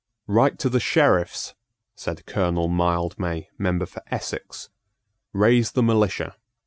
"Write to the Sheriffs," said Colonel Mildmay, member for Essex. "Raise the militia.